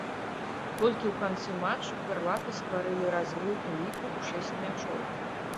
Толькі ў канцы матчу харваты стварылі разрыў у ліку ў шэсць мячоў.